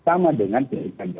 sama dengan delta